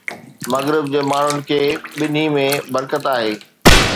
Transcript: مغرب جي ماڻهن کي ٻنهي ۾ برڪت آهي.